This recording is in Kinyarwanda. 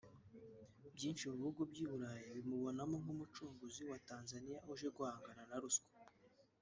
Byinshi mu bihugu by’i Burayi bimubona nk’umucunguzi wa Tanzania uje guhangana na ruswa